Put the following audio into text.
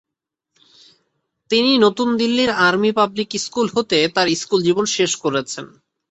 তিনি নতুন দিল্লির আর্মি পাবলিক স্কুল হতে তাঁর স্কুল জীবন শেষ করেছেন।